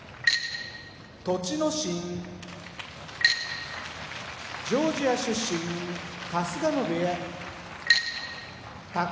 栃ノ心ジョージア出身春日野部屋宝